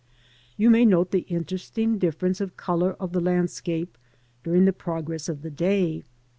You may note the interesting difference of colour of the landscape during the progress of the day.